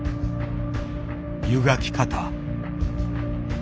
湯がき方。